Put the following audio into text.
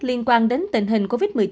liên quan đến tình hình covid một mươi chín